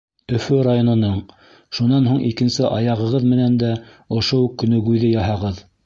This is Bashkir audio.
Өфө районының Шунан һуң икенсе аяғығыҙ менән дә ошо уҡ күнегеүҙе яһағыҙ.